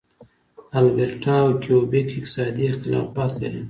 البرټا او کیوبیک اقتصادي اختلافات لري.